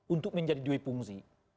untuk menjadi dui fungsi